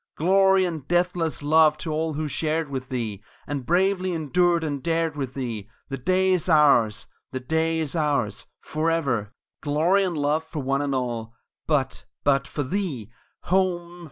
Glory and deathless love to all who shared with thee, And bravely endured and dared with thee The day is ours the day is ours Forever! Glory and Love for one and all; but but for thee Home!